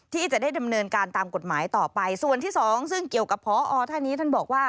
ที่จะได้ดำเนินการตามกฎหมายต่อไปส่วนที่สองซึ่งเกี่ยวกับพอท่านนี้ท่านบอกว่า